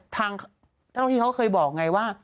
ถ้าเท่าที่เขาเคยบอกไงว่า